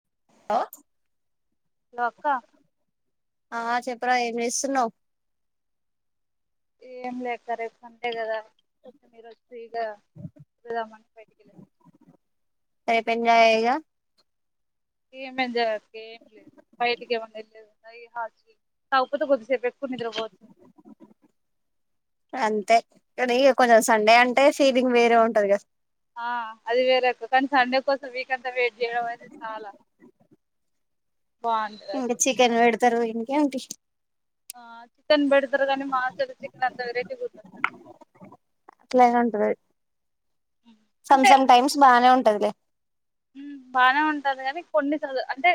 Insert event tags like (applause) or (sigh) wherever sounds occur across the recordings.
(unintelligible) Hello అక్కా చెప్పురా ఏం జేస్తున్నావ్ ఏం లే అక్కా రేప్ సండే కదా కొత్తిమీర ఫ్రీ గా పోదామని బయటికి యెళ్ళినం రేప్ ఎంజాయేగా ఏం ఎంజాయ్ అక్కా ఏం లేదు బయటికి ఏమన్నా యెళ్ళేదుందా ఈ హాస్ట కాకపోతే కొద్దిసేప్ నిద్ర బోవచ్చు అంతే ఇగ కొంచెం సండే అంటే ఫీలింగ్ వేరే ఉంటదిగా ఆ అది వేరే అక్కా కానీ సండే కోసం వీక్ అంతా వెయిట్ చేయడం అనేది చాలా బాగుంటది ఇంకా అసలు చికెన్ పెడతారు ఇంకేమిటి ఆ చికెన్ బెడ్తారు గాని మా హాస్టల్ చికెన్ అంత వెరైటీ గుంటది అట్లానే ఉంటది అది సమ్ అంటే సమ్ టైమ్స్ బానే ఉంటదిలే ఉమ్ బానే ఉంటది కానీ కొన్ని సార్లు అంటే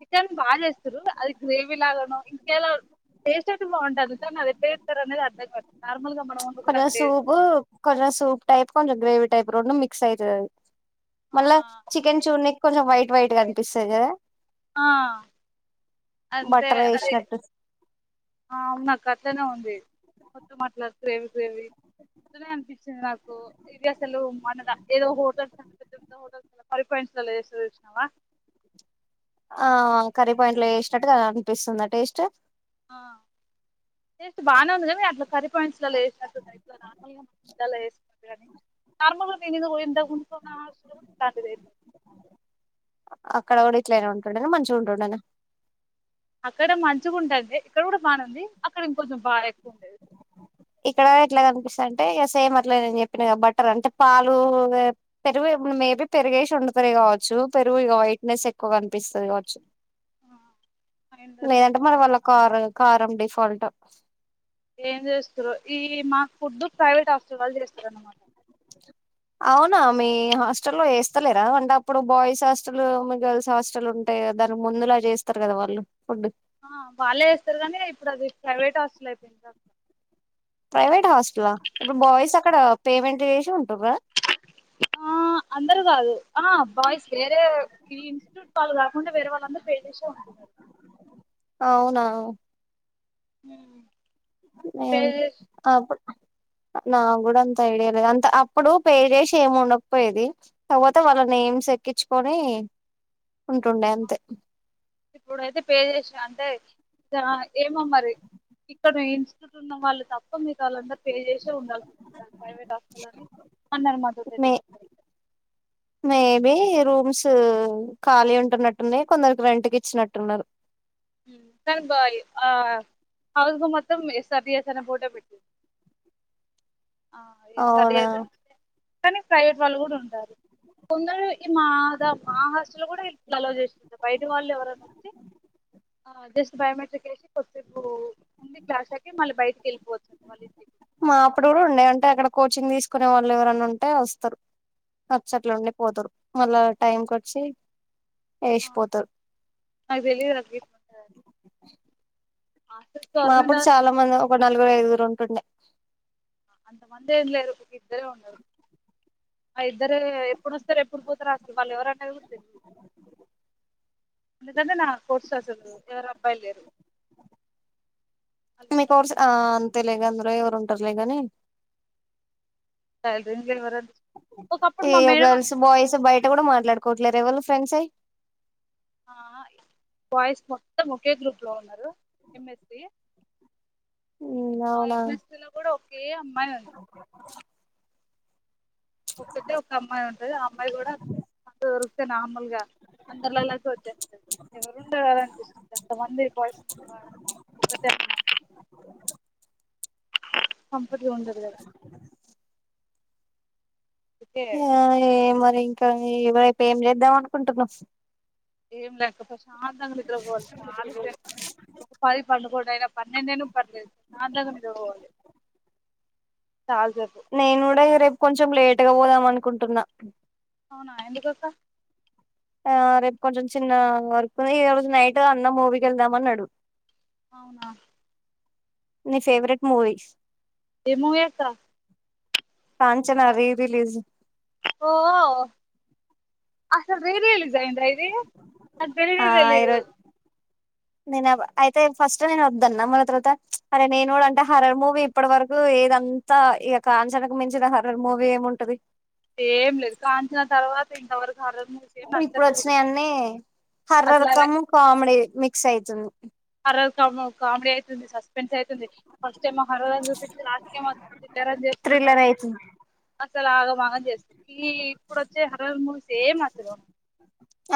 చికెన్ బాగా జేస్తురు అది గ్రేవీ లాగానో ఇంకేలా టేస్ట్ అయితే బాగుంటాది కాని అదెట్టా జేస్తారనేది అర్థంగావట్లే నార్మ్ కొంచెం సూపు కొంచం సూప్ టైప్ కొంచెం గ్రేవి టైప్ రోడ్ మిక్స్ అయితదది ఆ మళ్ళా చికెన్ చూర్నీకి కొంచెం వైట్ వైట్ గనిపిస్తది గదా ఆ అంతే బట్టర్ అదే యేసినట్టు ఆ అవునా అక్క అట్లనే ఉంది మొత్తం అట్లా గ్రేవీ గ్రేవీ పొద్దునే అనిపించింది నాకు ఇది అసలు మనదా ఏదో హోటల్స్ అ పెద్ద పెద్ద హోటల్స్ కర్రీపా అసలేసి చూసినవా ఆ కర్రీపాయింట్లో యేసినట్టుగా అనిపిస్తుందా టేస్ట్ ఆ టేస్ట్ బానే ఉంది కాని అట్లా కర్రీ పాయింట్స్ లో ఎసినట్టున్నాయి ఇట్లు నార్మల్‌గా మనం ఇంట్లలో ఎసినట్టుగానే కర్నూల్లో నేను ఇంతకు ఇంతకుముందు ఉన్న హాస్టల్లో ఇట్లాంటిది లేదు అక్కడ కూడా ఇట్లైనా ఉంటుండేనా మంచిగా ఉంటుండేనా అక్కడ మంచిగా ఉంటుది ఇక్కడ కూడా బానే ఉంది అక్కడ ఇంకొంచెం బాగా ఎక్కువ ఉండేది ఇక్కడ ఎట్లా కనిపిస్తాది అంటే ఇక సేమ్ అట్లే నేను చెప్పిన బట్టర్ అంటే పాలు ఇగ పెరుగు మేబీ పెరుగేసి వండుతారు కావచ్చు పెరుగు వైట్నెస్ ఎక్కువ కనిపిస్తాది కావచ్చు ఆ, అయ్యుండొచ్చు అక్క. లేదంటే మరి వాళ్ళ కారు కారం డిఫాల్టో ఏం చేస్తారో ఈ మాకు ఫుద్దు ప్రైవేట్ హాస్టల్ వాళ్ళు చేస్తారన్నమాట అవునా మీ హాస్టల్లో చేస్తాలేరా అంటే అప్పుడు బాయ్స్ హాస్టల్ మీ గర్ల్స్ హాస్టల్ ఉంటాయ్ దానికి ముందులా చేస్తారు కదా వాళ్ళు ఫుడు ఆ వాళ్ళే చేస్తారు కానీ ఇప్పుడు అది ప్రైవేట్ హాస్టల్ అయిపోయింది క ప్రైవేట్ హాస్టల్లా ఇప్పుడు బాయ్స్ అక్కడ పేమెంట్ చేసి ఉంటుర్రా ఆ అందరు కాదు ఆ బాయ్స్ వేరే ఈ ఇన్స్టిట్యూట్ వాళ్ళు కాకుండా వేరే వాళ్ళందరూ పే చేసే ఉంటున్నారు అవునా హ్మ్ మెం ఆప్ (inaudible) నా కూడా అంత ఐడియా లేదు అంత అప్పుడు పే చేసి ఏం ఉండకపోయేది తర్వాత వాళ్ళ నేమ్స్ ఎక్కిచుకొని ఉంటుండే అంతే ఇప్పుడైతే పే చేసి అంతే జారా ఏమో మరి ఇక్కడ ఈ ఇనిస్ట్యూట్ ఉన్నవాళ్లు తప్ప మీ గతా వాళ్ళందరూ పే చేసే ఉండాల్సి వస్తుంది ప్రైవేట్ హాస్టల్ అని అన్నారు మాతోటైతే మే చెప్పారు మేబి రూమ్స్ ఖాళీ ఉంటున్నట్టున్నాయ్ కొందరికి రెంట్కి ఇచ్చినట్టున్నారు తద్వారి ఆ హౌస్ మొత్తంమే సరిచేసిన ఫోటో పెట్టు అవునా కానీ ప్రైవేట్ వాళ్ళు కూడా ఉంటారు కొందరు ఈ మా ద మాహాస్టల్లో కూడా ఇట్ల అలో చేస్తారా బయట వాళ్ళు ఎవరన వస్తే ఆ జస్ట్ బయోమెట్రిక్ ఎసి కొద్దిసేపు ఉండి క్లాస్లేకి మళ్ళీ బయటికి వెళ్ళిపోవచ్చంటా వాళ్ల ఇంటి మా అప్పుడు కూడా ఉండే అంటే అక్కడ కోచింగ్ తీసుకునే వాళ్ళు ఎవరనా ఉంటే వస్తారు వచ్చట్లు ఉండి పోతారు మళ్ళా టైంకి ఒచ్చి ఆ నాకి తెలియదు అది తీసుకుంటే మాప్పుడు హాస్టల్స్ చాలా మంది ఒక నలుగురు ఐదుగురు ఉంటుండే అంత మంది ఏంలేరు ఇద్దరే ఉన్నారు ఆ ఇద్దరు ఎప్పుడు వస్తారు ఎప్పుడు పోతారు అసలు వాళ్ళు ఎవరన్నది కూడా తెలీదు అ నిజంగా నా కోర్స్ అసలు ఎవరు అబ్బాయిలు లేరు ని కోర్సు ఆ అంతేలే గందులో ఎవరు ఉంటారులే గాని శాల్రీఎందుకు ఇవ్వరాద్ ఏవ్ గర్ల్స్ బాయ్స్ బయట కూడా మాట్లాడుకోవట్లేరా ఎవళ్ళు ఫ్రెండ్స్ అయ్ ఆహ బాయ్స్ మొత్తం ఒకే గ్రూప్లో ఉన్నారు ఎంఎస్సి ఆ అవునా ఎంఎస్సి లో గూడా (unintelligible) ఒక్కటే ఒక అమ్మాయి ఉంటది ఆ అమ్మాయి గూడా అది దొరికితే నార్మల్ గా అందరిలోలాగ వచ్చేస్తది ఎవరు ఉండాల అనిపిస్తుంది అంతమంది బాయ్స్ ఆడ ఒకతె అమ్మాయ్ కంఫర్ట్గా ఉండదు గదా ఆ ఏ మరి ఇంకా ఏ వైపు ఏం చేద్దాం అనుకుంటున్నావ్ ఏం లేక్క ప్రశాంతంగా నిద్రబోవాలి చాలా సేపు ఒక పది పండుకోడ్ అయినా పన్నెండయిన పర్లేదు ప్రశాంతంగా నిద్ర బోవాలే నేను కూడా ఇగ రేపు కొంచెం లేట్ గా పోదాం అనుకుంటున్నా అవునా ఎందుకక్క ఆ రేపు కొంచెం చిన్న వర్కుంది ఈ రోజు నైటు అన్న మూవీకెళ్దాం అన్నడు అవునా నీ ఫేవరెట్ మూవీ ఏ మూవీ అక్క కాంచనా రీరిలీజ్ ఓ అసలు రీరిలీజ్ ఐందా ఇ ది నాక్ తెలీనే తెలీదు నేనవ్వ అయితే ఫస్ట్ నేను వద్దన్న మళ్ల తర్వాత ప్చ్ అరే నేను కూడా అంటే హార్రర్ మూవీ ఇప్పడి వరకు ఏదంతా ఇగ కాంచనకు మించిన హార్రర్ మూవీ ఏముంటది ఏం లేదు కాంచన తర్వాత ఇంతవరకు హర్రర్ మూవీస్ ఏం ఇప్పుడు నచ్చలే కూడా వచ్చినయన్నీ అసలు హార్రర్ అలా కమ్ కామెడీ మిక్స్ ఐతుంది హర్రర్ కమ్ కామిడీ ఐతుంది సస్పెన్స్ ఐతుంది అ చ్చేమో హర్రర్ అని జూపిచ్చి లాస్టుకేమో పిచ్చోళ్లని జేస్తున్నారు థ్రిల్లర్ అయితుంది అసలు ఆగమాగం జేస్ ఈ ఇప్పుడు ఒచ్చే హార్రర్ మూవీస్ ఏమంతలేవ్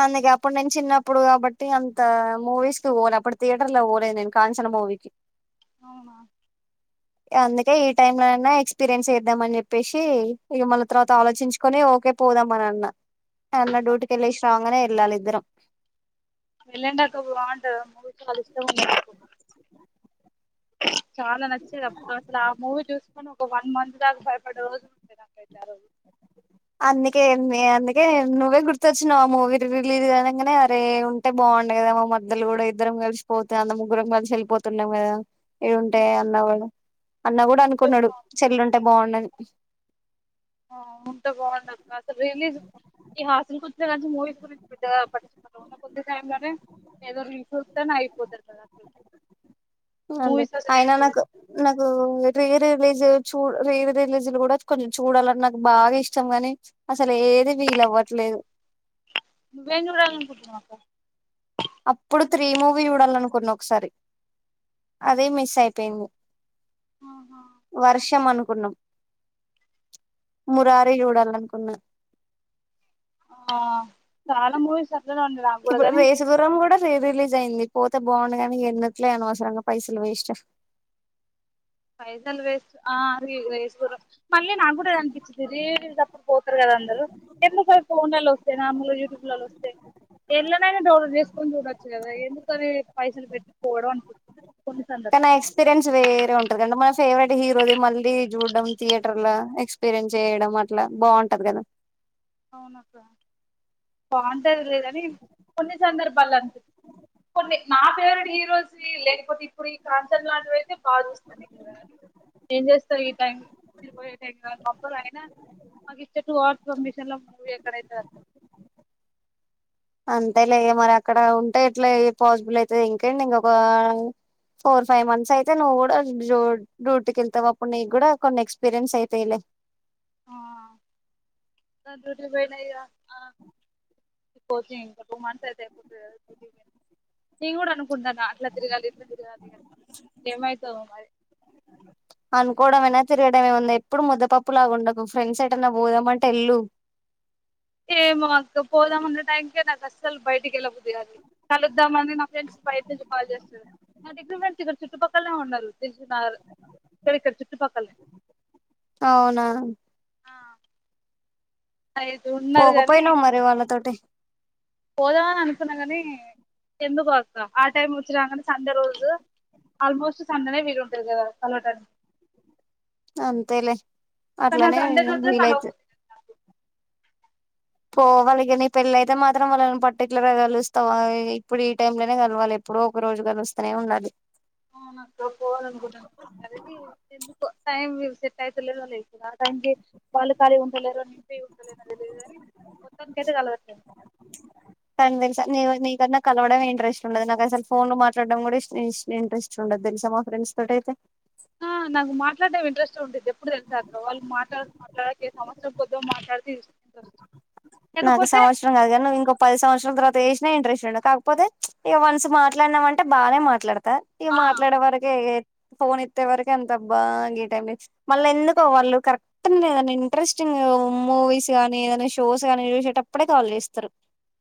అందుకే అప్పుడు నేను చిన్నప్పుడు గాబట్టి అంత మూవీస్ కి వోను అప్పుడు థియేటర్ ల ఓలే నేను కాంచనా మూవీకి అవునా అందుకే ఈ టైమ్లోనన్నా ఎక్స్పీరియన్స్ చేద్దాం అని జెప్పేసి, ఇగ మళ్ళ తర్వాత ఆలోచించుకొని ఓ ఓకే పోదాం అని అన్నా అన్న డ్యూటీకి ఎళ్లేషి రాంగానే ఎళ్ళాలి ఇద్దరం వెళ్ళండక్క బావుంటది ఆ మూవీ చాలా ఇష్టం ఉండే నాకు చాలా నచ్చేది అప్పుడు అసలు ఆ మూవీ జూసుకొని ఒ వన్ మంత్ దాకా భయపడే రోజులు ఉండే నాకైతే ఆ రోజు అందుకే ఎమ్మి అందుకే నువ్వే గుర్తొచ్చినవ్ ఆ మూవీ రీరిలీజ్ అనంగనే అరే ఉంటే బా బాగుండ గదా మా మర్దల్ గూడా ఇద్దరం కలిషిపోతనము ముగురం గలిషి ఎళ్ళిపోతున్నం గదా ఇయ్ ఉంటాయి అన్నవ్ గదా అన్న కూడా ఉంటే అనుకున్నాడు బాగుండు చెల్లుంటే బావుండని ఆ ఎంత బావుంటది అసలు రీ రిలీజ్ ఈ హాస్టల్ కొచిన్నకాంచి మూవీస్ గురించి పెద్దగా పటిచ్ కొద్ది టైంలోనే ఏదో రీల్స్ జూస్తేనే అయిపోతది గదా అ అంతే అయినా నాకు నాకు (unintelligible) రిలీజు చూ రీ రిలీజ్లు కూడా కొంచెం చూడాలని నాకు బాగా ఇష్టం గాని అసలు ఏది వీలవ్వట్లేదు నువేం జూడాలనుకుంటానవ్ అక్క అప్పుడు త్రీ మూవీ చూడాలనుకున్న ఒకసారి అదీ మిస్ అయిపోయింది ఆహా. వర్షం అను కున్నం మురారి చూడలనుకున్న ఆ చాలా మూవీస్ అట్లనే వుండే రా ఇప్పుడు రేసుగుర్రం కూడా రీ రిలీజ్ అయింది పోతే బాగుండగానీ ఎందుకులే అనవసరంగా పైసలు వేస్ట్ పైసలు వేస్ట్ ఆ అది రేసుగుర్రం మళ్ళీ నాకు కూడా అనిపించిద్ది రీ రిలీజ్ అప్పుడు పోతారు కదా అందరూ ఎందుకు ఫోన్లలో వస్తేన మళ్ళీ యూట్యూబ్ లలు వస్తే ఎందులోనైనా డౌన్లోడ్ చేసుకొని చూడొచ్చు కదా ఎందుకు అది పైసలు పెట్టి ఫోర్ వన్ కి కానీ ఎక్స్పీరియన్స్ వేరే ఉంటది (unintelligible) ఫేవరెట్ హీరోది మళ్ళీ చూడడం థియేటర్ల ఎక్స్పీరియన్స్ చేయడం అట్లా బావుంటది కదా అవునక్క బాగుంటది లేదని కొన్ని సందర్భ వాళ్ళ కొన్ని నా ఫేవరెట్ హీరోస్ లేకపోతే ఇప్పుడు కాంచన్ లాడ్ తే బా చూస్తాది ఇంగా ఏం చేస్తాది టైమ్ మీరు పోయే టైమ్ ఇంగ మబ్బుగా అయిన మేకిచ్చే టు అవర్స్ కంబీ తెల్లం వికర్ అయితారు అంతే లే మరి అక్కడ ఉంటే ఇట్లా పాసిబుల్ అయితయి ఇంకేటింగ్ అబ్బా ఫోర్ ఫైవ్ మంత్స్ అయితే నువ్వు కూడా డ్యూ డ్యూటీకి వెళ్తావు అప్పుడు నీకు కూడా కొన్ని ఎక్స్పీరియన్స్ అయితాయిలే. (inaudible) నన్ను సుత్తే భయం అయ్యా అ ఓకే (unintelligible) ఇయ్యి కూడా అను కుండానఅట్లా తిరగాలి ఇట్లా తిరగాలి ఏమయితావో మరి (inaudible) అనుకోవడంమయినా తిరగడమేముంది ఎప్పుడు ముద్దపప్పు లా ఉండకు ఫ్రెండ్స్ ఏటైన్నా పోదామంటే ఎల్లు (inaudible) ఏమో అక్క పోదాం అన్న టైమ్ కే నాకు అస్సలు బయటికి వెళబుద్దుగాదు కలుద్దామని నా ఫ్రెండ్స్ బయట నుంచి కాల్ చేస్తారు నా దగ్గర వెన్ ఇక్కడ చుట్టుపక్కలనే ఉన్నారు తిసన్నారు ఎక్కడిక్కడే చుట్టుపక్కలేనే అవునా అయిదు ఉన్నారు గానీ, పోకపోయినావు మరి వాళ్ళతోటి పోదామని అనుకున్నా కాని ఎందుకో అక్క ఆ టైం వచ్చిరాంగానే సండే రోజు ఆల్మోస్ట్ సండనే వీలు ఉంటది కదా కలవడానికి అంతేలే అట్లనే సండే వీల్ అయితది. అ పో వాళ్ళకి నీ పెళ్ళ అయితే మాత్రం వాళ్ళని పర్టిక్యులర్ గా కలుస్తావా ఇప్పుడు ఈ టైమ్ లోనే కలవాలి ఎప్పుడు ఒక రోజు గారు వస్తనే ఉండాలి. ఆ నాకు పోవాల అనుకుంటున్నాను అది ఏంటి ఎందుకో టైం చూసి చెత్త్ అయిత లేదు వాళ్ళు వెళ్లిన టైముకి. వాళ్ళ కాలీ ఉంటలెరో కలవట్లేదు కన్వీన్సషన్ ఏ ఒన్ ఐ ఇ నా కలవడం ఇంట్రెస్ట్ ఉండదు నాకు అసలు ఫోన్ లో మాట్లాడడం కూడా ఇస్ట్ ఇస్ ఇంట్రెస్ట్ ఉండదు తెలుసా. మా ఫ్రెండ్స్ తోట అయితే ఆ నాకు మాట్లాడటడం ఇంట్రెస్ట్ ఉంటది ఎప్పుడు తెలిసాక వాళ్ళు మాట్లా మాట్లాడక ఏ సంవత్సరం పొద్దో మాట్లాడితే రస్ట్ నాకు సంవత్సరం కాగానే నువ్వేంకో పది సంవత్సరాల తర్వాత తెసినా ఇంట్రెస్ట్ ఉండ కాకపోతే చ్ ఇక వన్స్ మాట్లాడినాం అంటే బానే మాట్లాడత. త ఇగ ఆ మాట్లాడే వరకే ఫోన్ ఎత్తే వరకే ఎంతబ్ బా ఈ టైమ్ మళ్ళ నే ఎందుకో వాళ్ళు కరెక్ట్ న ఏదైనా ఇంట్రెస్టింగ్ మూవీస్ గానీ ఏదైనా షోస్ న జూషెటప్పుడె కాల్ ఏస్తరు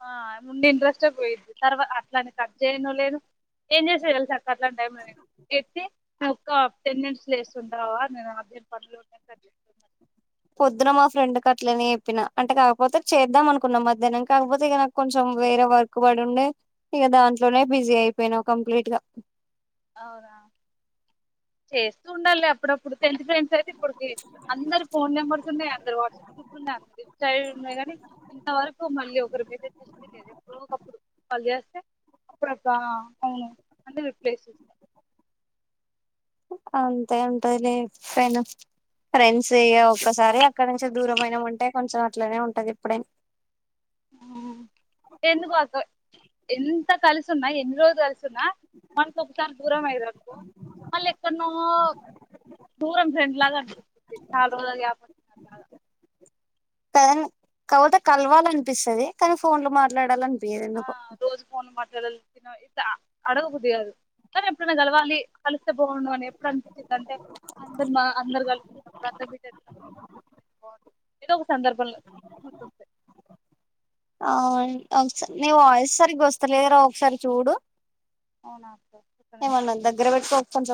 ఆ ముండి ఇంట్రెస్టే పోయిద్ది తర్వ అట్లాని కట్ చేయను లేను ఏం చేష తెల్సా అక్ గట్లాంటైమ్ లోనే ఎత్తి ఒ టెన్ మినిట్స్ లేస్తుంటావా నేను అదే పనులు ఉన్నా పొద్దున మా ఫ్రెండ్కి అట్లనేప్పినా అంటే కాకపోతే చేద్దాం అనుకున్నాం. మధ్యాహ్నం కాకపోతే ఇక నాకు కొంచెం వేరే వర్క్ పడి ఉండే ఇక దాంట్లోనే బిజీ అయిపోయినాం కంప్లీట్ గా అవునా చేస్తూ ఉండాలి అప్పుడప్పుడు టెన్త్ ఫ్రెండ్స్ అయితే ఇప్పడుకి అందరు ఫోన్ నెంబర్స్ ఉన్నాయి. అందరు వాట్సాప్ గ్రూప్ లో త ఈ సైడ్ ఉన్నా కానీ ఇంతవరకు మళ్ళీ ఒకరి మెసేజ్ లేదు ఎప్పుడో ఒకప్పుడు చేస్త అప్పుడప్పుడ ఆ అవును అంద ప్లేసెస్ అంతే ఉంటలే ఫైన ఫ్రెండ్స్ ఇగ ఒక్కసారి అక్కడ నుంచి దూరం అయినాం అంటే కొంచెం అట్లనే ఉంటది ఇప్పుడే ఉ ఎందుకు అక్కోయ్ ఎంత కలిసుఉన్నా ఎన్నిరోజు కలిసున్నా మనసు ఒకసారి దూరం అయిరకు మళ్ళ ఎక్కడ నో దూరం ఫ్రెండ్ లాగ అనిపిస్తుంది చాలా రోజ్లక్ గాప్ లాగా కదని కవోతె కల్వాల్ అనిపిస్తది కానీ ఫోన్ లు మాట్లాడాలనిపిస్ ఆ పేరెందుకు రోజు ఫోన్ తిన ఇంత అడగబుద్ధి గాదు కాన్ ఎప్పుడైనా కల్వాలి కలిస్తే బావుండు అని ఎప్పుడు అనిపించింది అంటే అందర్ మా అందర్ కలి బద్ద బిడ్ (unintelligible) ఏదో ఒక సందర్భంలో గుర్చొస్తయ్ ఆ ఒక్సర్ నీ వాయిస్ సరిగ్గొస్తలేదురా ఒక్సార్ చూడు ఔనా ఏమన్నా దగ్గర వెట్టుకో కొంచెం